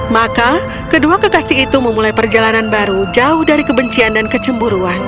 maka kedua kekasih itu memulai perjalanan baru jauh dari kebencian dan kecemburuan